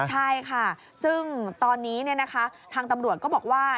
ใช่ค่ะซึ่งตอนนี้ทางตำรวจก็บอกว่า